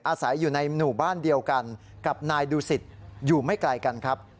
อาศัยอยู่ในหมู่บ้านเดียวกันกับนายดูสิตอยู่ไม่ไกลกันครับ